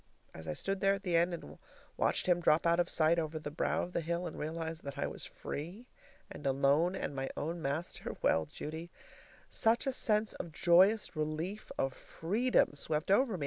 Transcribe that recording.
As I stood there at the end and watched him drop out of sight over the brow of the hill, and realized that I was free and alone and my own master well, Judy, such a sense of joyous relief, of freedom, swept over me!